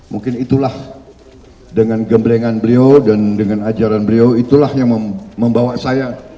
mungkin itulah dengan gemblengan beliau dan dengan ajaran beliau itulah yang membawa saya